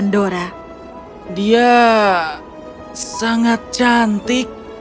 dia sangat cantik